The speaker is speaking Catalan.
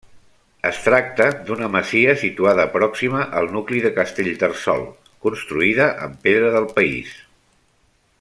Es tracta d'una masia, situada pròxima al nucli de Castellterçol, construïda amb pedra del país.